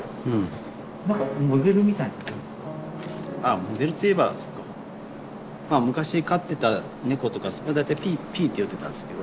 モデルといえばそっか昔飼ってた猫とか。大体ぴーって呼んでたんですけど。